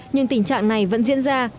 nhưng tình trạng này vẫn diễn ra